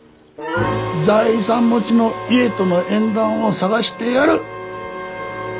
財産持ちの家との縁談を探してやる。